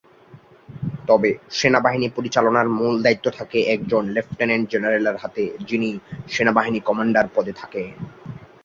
তবে সেনাবাহিনী পরিচালনার মূল দায়িত্ব থাকে একজন লেফটেন্যান্ট-জেনারেলের হাতে যিনি সেনাবাহিনী কমান্ডার পদে থাকেন।